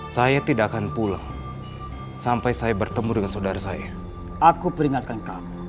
saya tidak akan pulang sampai saya bertemu dengan saudara saya aku peringatkan kamu